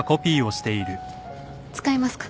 使いますか？